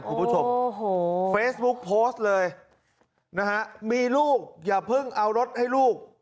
ครับคุณผู้ชมเฟซบุ๊คโพสต์เลยมีลูกอย่าเพิ่งเอารถให้ลูก